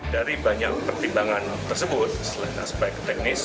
dari banyak pertimbangan tersebut selain aspek teknis